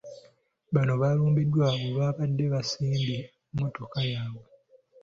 Bano baalumbiddwa we baabadde baasimbye mmotoka yaabwe.